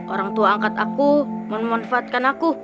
orang tua angkat aku memanfaatkan aku